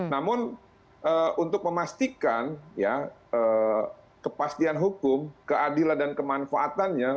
namun untuk memastikan ya kepastian hukum keadilan dan kemanfaatannya